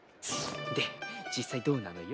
で実際どうなのよ？